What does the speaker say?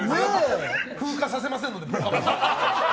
風化させませんので。